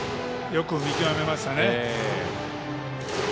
よく見極めましたね。